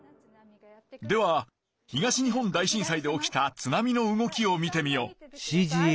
では東日本大震災で起きた津波の動きを見てみよう。